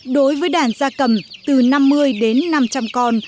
đối với đàn gia cầm từ năm mươi đến năm trăm linh con